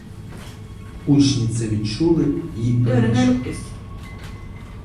Учні це відчули й принишкли.